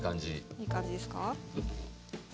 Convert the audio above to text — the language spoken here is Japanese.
いい感じですか？